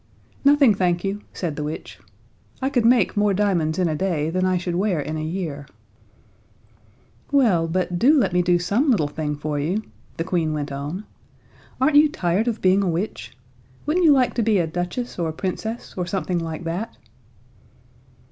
"Nothing, thank you," said the witch. "I could make more diamonds in a day than I should wear in a year." "Well, but do let me do some little thing for you," the Queen went on. "Aren't you tired of being a witch? Wouldn't you like to be a Duchess or a Princess, or something like that?"